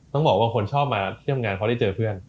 ต้องบอกว่าคนชอบมาเที่ยวงานเขาได้เจอเพื่อน